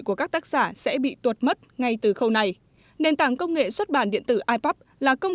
của các tác giả sẽ bị tuột mất ngay từ khâu này nền tảng công nghệ xuất bản điện tử ipub là công